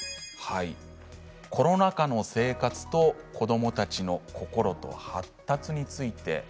コロナ禍の生活と子どもたちの心と発達について。